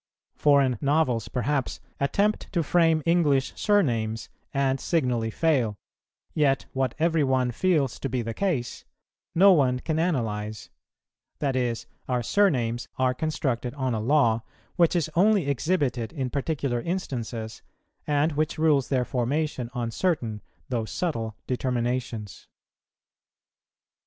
Foreign novels, perhaps, attempt to frame English surnames, and signally fail; yet what every one feels to be the case, no one can analyze: that is, our surnames are constructed on a law which is only exhibited in particular instances, and which rules their formation on certain, though subtle, determinations.